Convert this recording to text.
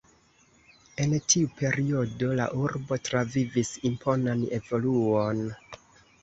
En tiu periodo la urbo travivis imponan evoluon.